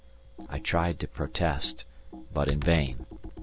I tried to protest, but in vain.